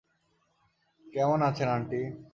কেমন আছেন আন্টি?